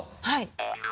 はい。